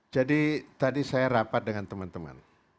jadi tadi saya rapat dengan teman teman